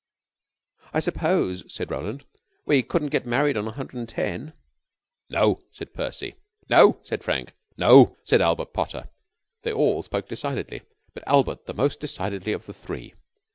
"I suppose," said Roland, "we couldn't get married on a hundred and ten?" "No," said Percy. "No," said Frank. "No," said Albert Potter. They all spoke decidedly, but Albert the most decidedly of the three.